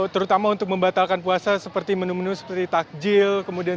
terutama untuk membatalkan puasa seperti menu menu seperti takjil